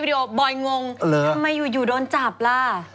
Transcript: ทำไมอยู่โดนจับล่ะ